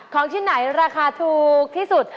ของที่ไหนราคาถูกที่สุด